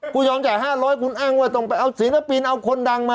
คุณยอมจ่าย๕๐๐คุณอ้างว่าต้องไปเอาศิลปินเอาคนดังมา